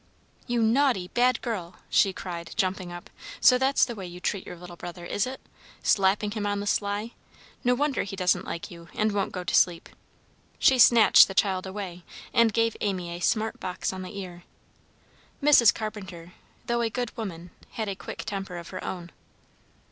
"You naughty, bad girl!" she cried, jumping up; "so that's the way you treat your little brother, is it? Slapping him on the sly! No wonder he doesn't like you, and won't go to sleep!" She snatched the child away, and gave Amy a smart box on the ear. Mrs. Carpenter, though a good woman, had a quick temper of her own.